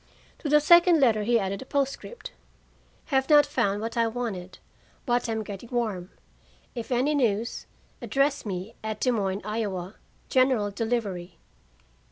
To the second letter he added a postscript: "Have not found what I wanted, but am getting warm. If any news, address me at Des Moines, Iowa, General Delivery.